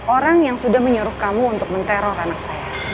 orang yang sudah menyuruh kamu untuk menteror anak saya